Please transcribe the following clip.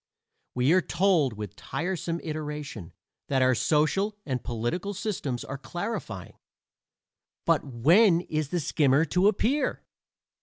We are told with tiresome iteration that our social and political systems are clarifying; but when is the skimmer to appear?